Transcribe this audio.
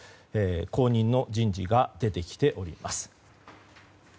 後任の人事が出てきております。